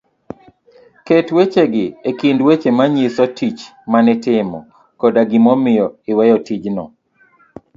ket wechegi e kind weche manyiso tich manitimo koda gimomiyo iweyo tijno.